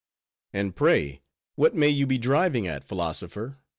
"And pray, what may you be driving at, philosopher?"